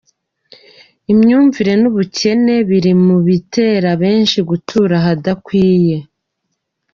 Imyumvire n’ubukene biri mu bitera benshi gutura ahadakwiye